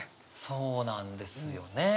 そうなんですよね。